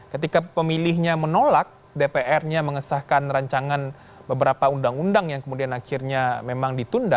ketika pemilihnya menolak dpr nya mengesahkan rancangan beberapa undang undang yang kemudian akhirnya memang ditunda